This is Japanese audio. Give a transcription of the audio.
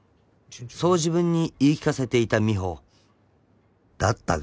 ［そう自分に言い聞かせていた美帆だったが］